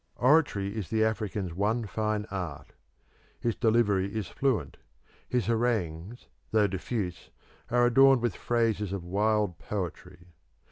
Oratory is the African's one fine art. His delivery is fluent; his harangues, though diffuse, are adorned with phrases of wild poetry.